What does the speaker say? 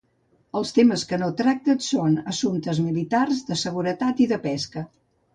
Els temes que no tracten són: assumptes militars, de seguretat i de pesca.